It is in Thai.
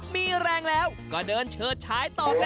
มีแรงแล้วก็เดินเฉิดฉายต่อกัน